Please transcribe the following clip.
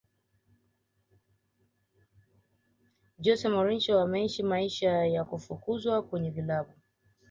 jose mourinho ameisha maisha ya kufukuzwa kwenye vilabu